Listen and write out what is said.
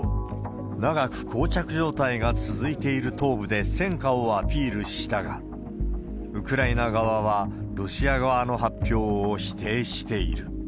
長くこう着状態が続いている東部で戦果をアピールしたが、ウクライナ側はロシア側の発表を否定している。